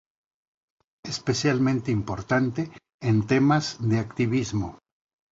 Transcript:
especialmente importante en temas de activismo